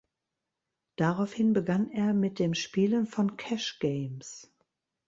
Daraufhin begann er mit dem Spielen von Cash Games.